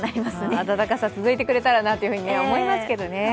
暖かさ続いてくれたらなと思いますけどね。